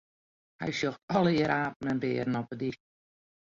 Hy sjocht allegear apen en bearen op 'e dyk.